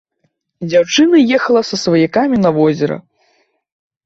Дзяўчына ехала са сваякамі на возера.